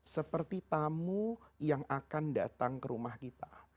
seperti tamu yang akan datang ke rumah kita